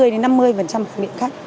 ba mươi đến năm mươi của miệng khách